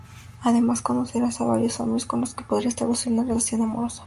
Además conocerá a varios hombres con los que podrá establecer una relación amorosa.